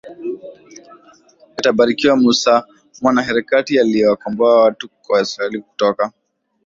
yatabarikiwa Musa mwanaharakati aliyewakomboa watu wa Israeli kutoka